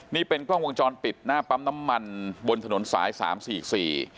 นี่เป็นกล้องวงจรปิดหน้าปั๊มน้ำมันบนถนนสายสามสี่สี่